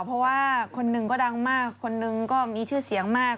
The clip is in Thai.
เพราะว่าคนหนึ่งก็ดังมากคนหนึ่งก็มีชื่อเสียงมาก